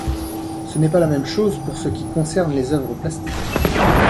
Ce n’est pas la même chose pour ce qui concerne les œuvres plastiques.